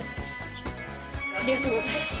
ありがとうございます。